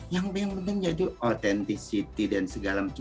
yang pentingnya itu authenticity dan segala macam